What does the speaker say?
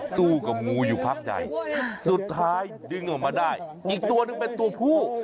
สู้กับงูอยู่พักใหญ่สุดท้ายดึงออกมาได้อีกตัวหนึ่งเป็นตัวผู้